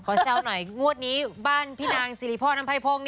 กอแซวหน่อยงวดนี้บ้านพี่นางศิริพรรณัมไพร่โพง